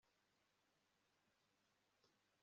Menya neza ko ubikora wenyine